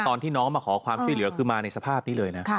ตอนที่น้องมาขอความช่วยเหลือคือมาในสภาพนี้เลยนะ